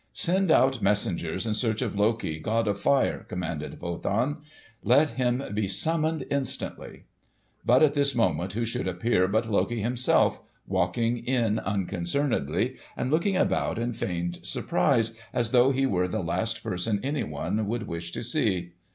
"Send out messengers in search of Loki, god of fire," commanded Wotan. "Let him be summoned instantly." But at this moment who should appear but Loki himself, walking in unconcernedly and looking about in feigned surprise as though he were the last person anyone would wish to see.